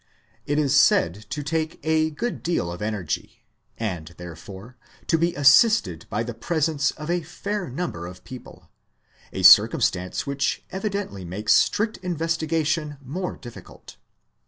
It is said to take a good deal of energy, and, therefore, to be assisted by the presence of a fair number of people a circumstance which evidently makes strict investiga tion more difficult.